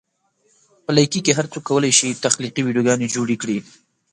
په لایکي کې هر څوک کولی شي تخلیقي ویډیوګانې جوړې کړي.